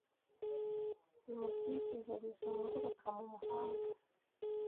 bimukikije bizunguruka mumuhanda